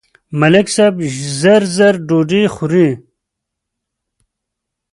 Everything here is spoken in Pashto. ملک صاحب زر زر ډوډۍ خوري.